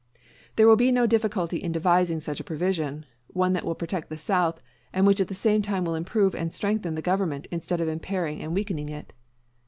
There will be no difficulty in devising such a provision, one that will protect the South, and which at the same time will improve and strengthen the government instead of impairing and weakening it.